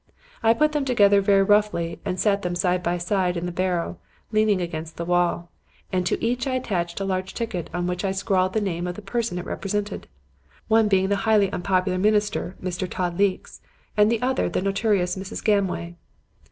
I put them together very roughly and sat them side by side in the barrow, leaning against the wall; and to each I attached a large ticket on which I had scrawled the name of the person it represented; one being the highly unpopular minister, Mr. Todd Leeks, and the other the notorious Mrs. Gamway.